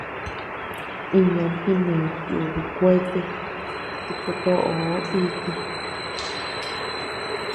Iñan jineñ tuubi kuete chi kutoʼoo iti.